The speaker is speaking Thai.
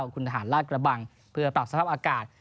คุณทหารลาดกระบังเพื่อปรับสภาพอากาศ